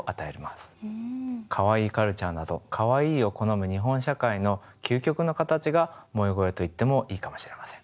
Ｋａｗａｉｉカルチャーなどかわいいを好む日本社会の究極の形が萌え声と言ってもいいかもしれません。